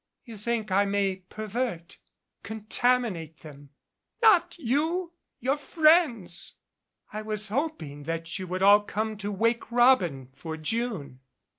"You think I may pervert contaminate them " "Not you your friends " "I was hoping that you would all come to 'Wake Robin' for June."